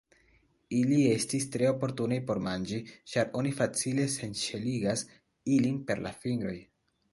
Ili estis tre oportunaj por manĝi, ĉar oni facile senŝeligas ilin per la fingroj.